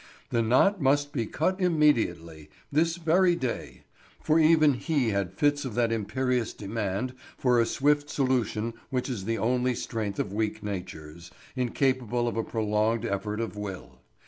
The knot must be cut immediately, this very day; for even he had fits of that imperious demand for a swift solution which is the only strength of weak natures, incapable of a prolonged effort of will.